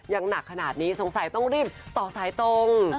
หนักขนาดนี้สงสัยต้องรีบต่อสายตรง